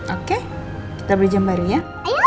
oke kita beli jam baru ya